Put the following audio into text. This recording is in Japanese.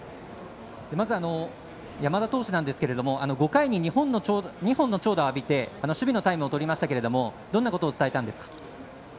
まず山田投手なんですけれども５回に２本の長打を浴びて守備のタイムをとりましたけれどもどんなことを伝えたんですか？